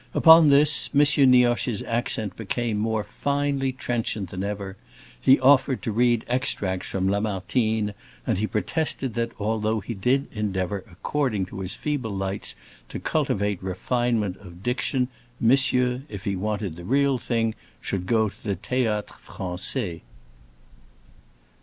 Upon this M. Nioche's accent became more finely trenchant than ever, he offered to read extracts from Lamartine, and he protested that, although he did endeavor according to his feeble lights to cultivate refinement of diction, monsieur, if he wanted the real thing, should go to the Théâtre Français.